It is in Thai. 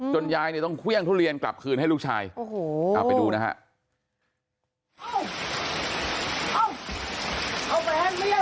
ยายเนี่ยต้องเครื่องทุเรียนกลับคืนให้ลูกชายโอ้โหเอาไปดูนะฮะ